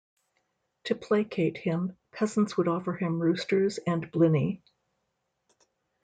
To placate him, peasants would offer him roosters and bliny.